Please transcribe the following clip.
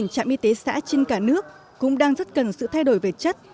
một mươi hai trạm y tế xã trên cả nước cũng đang rất cần sự thay đổi về chất